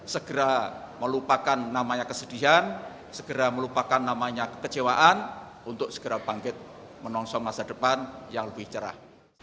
segera melupakan namanya kesedihan segera melupakan namanya kekecewaan untuk segera bangkit menongsong masa depan yang lebih cerah